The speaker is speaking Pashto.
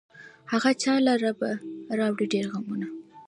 هغه چا لره به راوړي ډېر غمونه